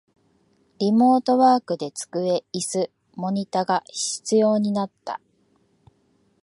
リモートワークで机、イス、モニタが必要になった